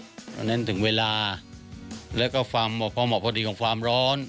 เพราะฉะนั้นถึงเวลาแล้วก็ความเหมาะพอเหมาะพอดีของความร้อน